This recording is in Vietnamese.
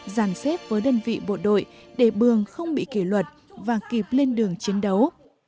giàn xếp với đơn vị bộ đội để bường không bị kỷ luật và kịp lên đường chiến đấu